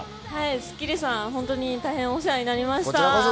『スッキリ』さん、本当に大変お世話になりました。